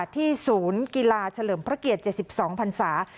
ที่ศูนย์กีฬาเฉลิมพระเกียรติ๗๒พันธุ์ศาสตร์